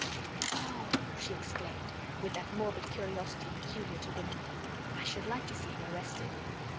"Oh!" she exclaimed, with that morbid curiosity peculiar to women, "I should like to see him arrested."